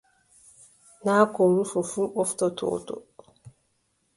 Naa ko rufi fuu ɓoftodottoo.